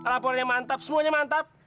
laporannya mantap semuanya mantap